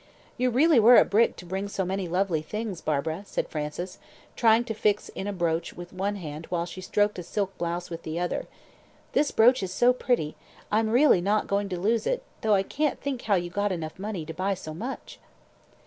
"You really were a brick to bring so many lovely things, Barbara," said Frances, trying to fix in a brooch with one hand while she stroked a silk blouse with the other. "This brooch is so pretty, I'm really not going to lose it, though I can't think how you got enough money to buy so much."